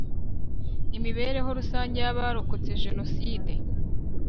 IMIBEREHO RUSANGE Y ABAROKOTSE JENOSIDE